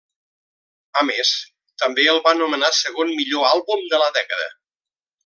A més, també el va nomenar segon millor àlbum de la dècada.